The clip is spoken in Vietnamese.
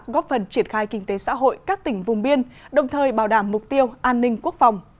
góp phần triển khai kinh tế xã hội các tỉnh vùng biên đồng thời bảo đảm mục tiêu an ninh quốc phòng